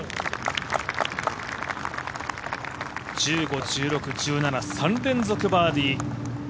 １５、１６、１７３連続バーディー。